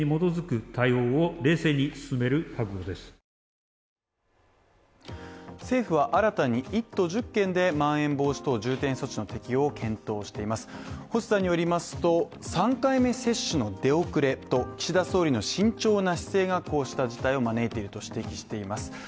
今日、岸田総理は政府は新たに１都１０県でまん延防止等重点措置の適用を検討しています星さんによりますと、３回目接種の出遅れと岸田総理の慎重な姿勢がこうした事態を招いていると指摘しています。